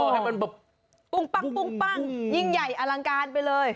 อฮมันแบบปุ้งปั้งปุ้งปั้งอยิงใหญ่อลังการไปเลย